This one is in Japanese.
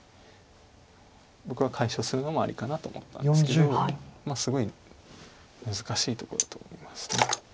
僕は解消するのもありかなと思ったんですけどすごい難しいとこだと思います。